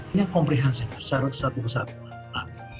ini yang komprehensif satu kesatuan